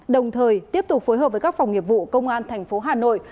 đồng thời tiếp tục phối hợp với các phòng nghiệp vụ công an thành phố hà nội